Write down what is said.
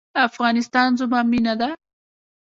افغانستان زما مینه ده؟